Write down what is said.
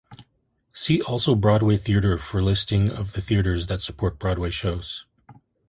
See also Broadway Theatre for a listing of the theatres that support Broadway shows.